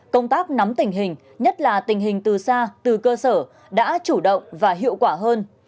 công tác nắm tình hình nhất là tình hình từ xa từ cơ sở đã chủ động và hiệu quả hơn